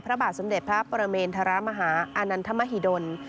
พระบาทสมเด็จพระประเมนธรมหาอานันทมหิดล